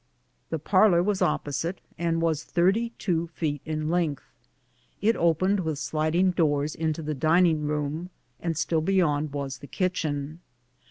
The parlor was opposite, and was thirty two feet in length. It opened with sliding doors into the dining room, and still bej^ond was the kitchen.